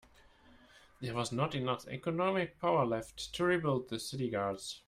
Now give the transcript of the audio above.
There was not enough economic power left to rebuild the city guards.